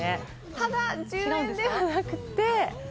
ただ１０円ではなくて。